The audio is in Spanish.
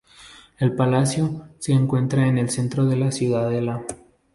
El palacio se encuentra en el centro de la ciudadela.